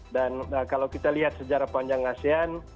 dan kalau kita lihat sejarah panjang asean